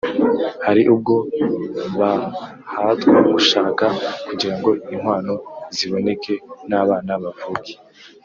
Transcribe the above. hari ubwo bahatwa gushaka kugirango inkwano ziboneke, n’abana bavuke,